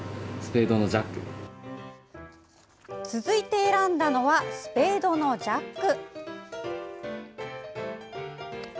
続いて選んだのはスペードのジャック。